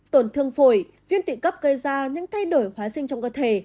tổn thương phổi viên tụy cấp gây ra những thay đổi hóa sinh trong cơ thể